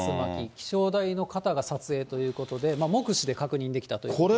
気象台の方が撮影ということで、目視で確認できたということでした。